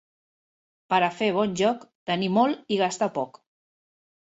Per a fer bon joc, tenir molt i gastar poc.